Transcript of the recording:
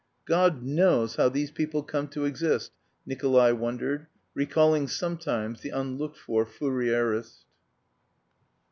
"God knows how these people come to exist!" Nikolay wondered, recalling sometimes the unlooked for Fourierist.